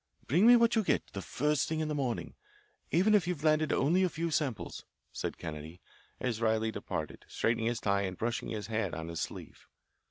"Bring me what you get, the first thing in the morning, even if you've landed only a few samples," said Kennedy, as Riley departed, straightening his tie and brushing his hat on his sleeve.